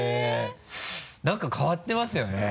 何か変わってますよね。